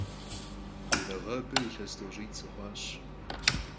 Neğabe yilhes t'oş'it' sıxhuaş.